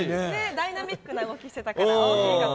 ダイナミックな動きしてたから大きいかと。